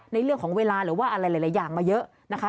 ในเรื่องของเวลาหรือว่าอะไรหลายอย่างมาเยอะนะคะ